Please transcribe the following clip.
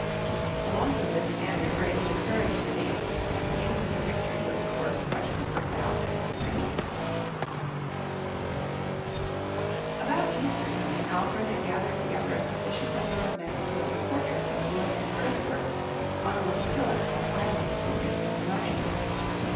The loss of this standard greatly discouraged the Danes, and news of the victory was a source of much comfort to Alfred in his hiding place. 84 FROM THE TOWER WINDOW About Easter time Alfred had gathered together a sufificient number of men to build a fortress of wood and earthworks on a little hillock or island in the midst of the marshes.